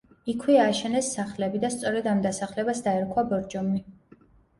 იქვე ააშენეს სახლები და სწორედ ამ დასახლებას დაერქვა ბორჯომი.